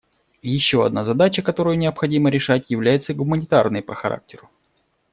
Еще одна задача, которую необходимо решать, является гуманитарной по характеру.